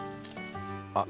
あっ